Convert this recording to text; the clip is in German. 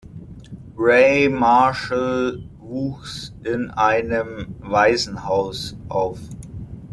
Ray Marshall wuchs in einem Waisenhaus auf.